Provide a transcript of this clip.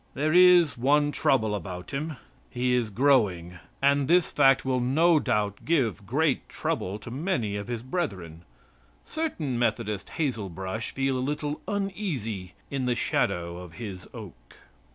There is one trouble about him, he is growing; and this fact will no doubt give great trouble to many of his brethren. Certain Methodist hazelbrush feel a little uneasy in the shadow of his oak."